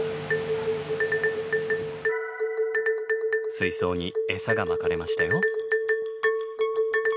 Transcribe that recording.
水槽にエサがまかれましたよ。